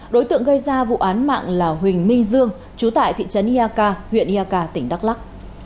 đối tượng gây ra vụ án mạng là huỳnh minh dương trú tại thị trấn ia ca huyện ia ca tỉnh đắk lắc